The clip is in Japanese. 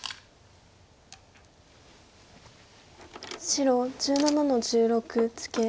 白１７の十六ツケ。